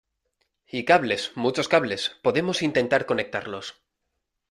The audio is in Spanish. y cables, muchos cables , podemos intentar conectarlos